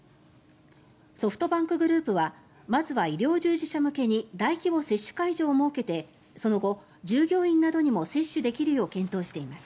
ソフトバンクグループはまずは医療従事者向けに大規模接種会場を設けてその後、従業員などにも接種できるよう検討しています。